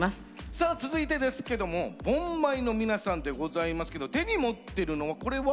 さあ続いてですけども「盆舞」の皆さんでございますけど手に持ってるのはこれは？お盆っすよね？